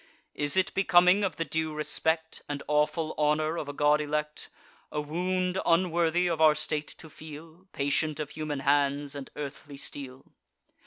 Is it becoming of the due respect And awful honour of a god elect, A wound unworthy of our state to feel, Patient of human hands and earthly steel?